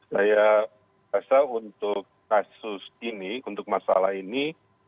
saya rasa untuk kasus ini untuk masalah ini